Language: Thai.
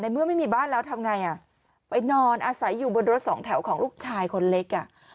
เมื่อไม่มีบ้านแล้วทำไงอ่ะไปนอนอาศัยอยู่บนรถสองแถวของลูกชายคนเล็กอ่ะ